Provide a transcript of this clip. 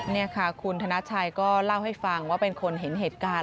นี่ค่ะคุณธนชัยก็เล่าให้ฟังว่าเป็นคนเห็นเหตุการณ์